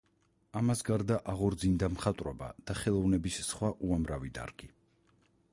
ამას გარდა აღორძინდა მხატვრობა და ხელოვნების სხვა უამრავი დარგი.